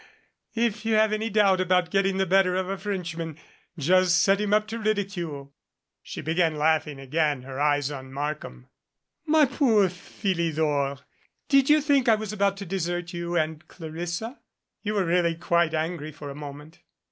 If you have any doubt about getting the better of a Frenchman just set him up to ridicule." She began laughing again, her eyes on Markham. "My poor Philidor! Did you think I was about to desert you and Clarissa? You were really quite angry for a moment."